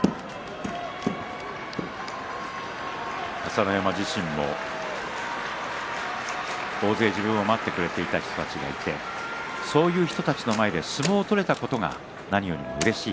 朝乃山自身も大勢、自分を待ってくれていた人たちがいてそういう人たちの前で相撲を取れたことが何よりもうれしい。